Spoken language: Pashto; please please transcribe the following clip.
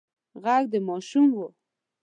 غږ د ماشوم و.